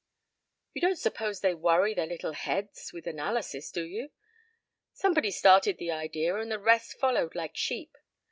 "You don't suppose they worry their little heads with analysis, do you? Somebody started the idea and the rest followed like sheep.